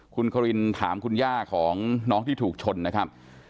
คุณครินถามคุณย่าของน้องที่ถูกชนนะครับ